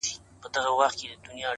داده پښـــــتانه اشـــــــنــــٰــا ـ